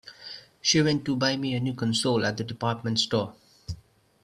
She went to buy me a new console at the department store.